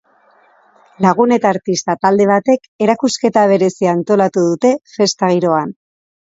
Lagun eta artista talde batek erakusketa berezia antolatu dute, festa giroan.